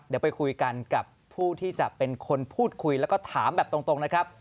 เดี๋ยวไปคุยกันกับผู้ที่จะเป็นคนพูดคุยแล้วก็ถามแบบตรงนะครับ